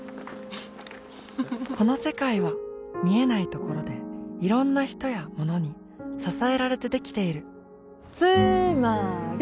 この世界は見えないところでいろんな人やものに支えられてできているつーまーり！